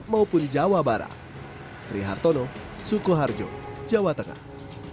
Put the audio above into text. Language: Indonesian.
dan jawa barat sri hartono sukoharjo jawa tengah